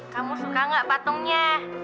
kamu suka nggak patungnya